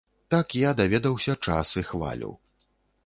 Так я даведаўся час і хвалю.